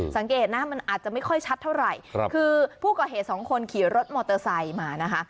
สังเกตนะมันอาจจะไม่ค่อยชัดเท่าไหร่คือผู้ก่อเหตุสองคนขี่รถมอเตอร์ไซค์มานะคะ